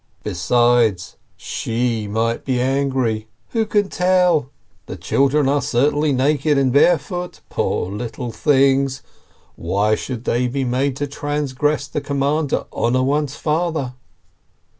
Besides, she might be angry, who can tell? The children are certainly naked and barefoot, poor little things ! Why should they be made to trans gress the command to honor one's father?"